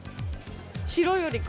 白より黒。